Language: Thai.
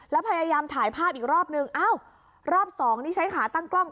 แล้วพยายามถ่ายภาพอีกรอบนึงอ้าวรอบสองนี่ใช้ขาตั้งกล้อง